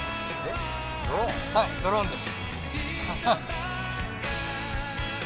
はいドローンです。